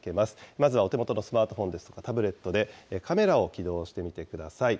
まずはお手元のスマートフォンですとか、タブレットでカメラを起動してみてください。